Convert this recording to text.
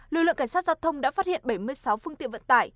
lực lượng cảnh sát giao thông đã phát hiện bảy mươi sáu phương tiện vận tải